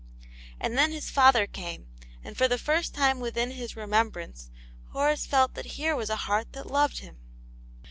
And then his father came, and for the first time within his remembrance, Horace felt that^here was a heart that loved him.